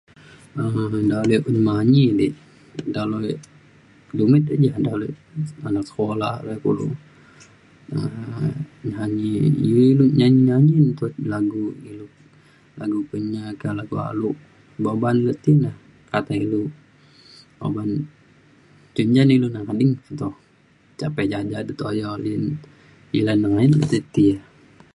um dalau ek un manyi di dalau ek dumit le ja dalau ek anak sekula re kulu um nyanyi iu ilu nyanyi nyanyi ne lagu ilu lagu Kenyah ka lagu alok ba'an ba'an le ti ne kata ilu oban cen ja ne ilu ngening peto. cak pe ja'at ja'at do toyau ia le nengayet ti ti ia.